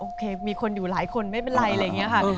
มีคนอยู่หลายคนไม่เป็นไรอะไรอย่างนี้ค่ะ